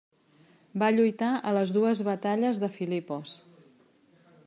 Va lluitar a les dues batalles de Filipos.